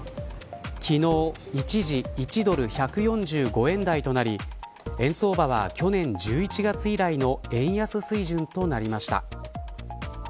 昨日、一時１ドル１４５円台となり円相場は去年１１月以来の円安水準となりました。